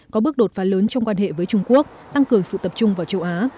có bước đột phá lớn trong quan hệ với trung quốc tăng cường sự tập trung vào châu á